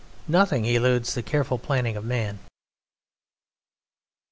Nothing eludes the careful planning of man.